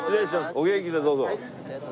お元気でどうぞ。